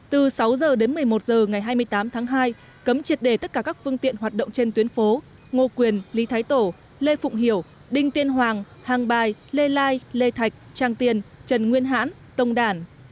từ sáu h đến một mươi một h ngày hai mươi tám tháng hai cấm triệt đề tất cả các phương tiện hoạt động trên tuyến phố ngô quyền lý thái tổ lê phụng hiểu đinh tiên hoàng hàng bài lê lai lê thạch trang tiền trần nguyên hãn tông đản